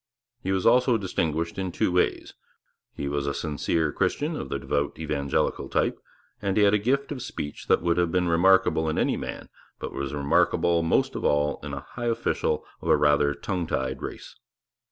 He was also distinguished in two ways: he was a sincere Christian of the devout evangelical type, and he had a gift of speech that would have been remarkable in any man, but was remarkable most of all in a high official of a rather tongue tied race.